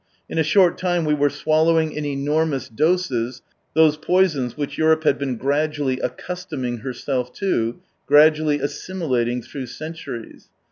In a short time we were swallowing in enormous doses thofee poisons which Europe had been gradually accustoming herself to, gradually assimil ating through centuries.